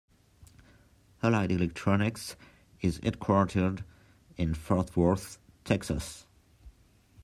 Allied Electronics is headquartered in Fort Worth, Texas.